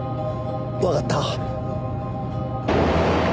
わかった。